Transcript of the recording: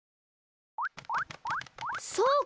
そうか！